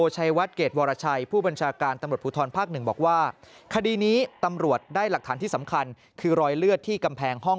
สิ่งที่สำคัญคือรอยเลือดที่กำแพงห้อง